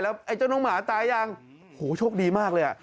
แล้วเจ้าน้องหมาตายยังโอ้โฮโชคดีมากเลย